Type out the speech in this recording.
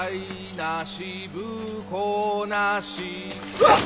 うわっ！